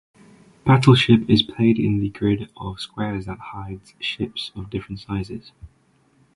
Battleship is played in a grid of squares that hides ships of different sizes.